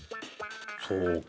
そうか。